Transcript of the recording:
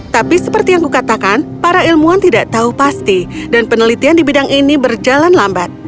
tapi seperti yang kukatakan para ilmuwan tidak tahu pasti dan penelitian di bidang ini berjalan lambat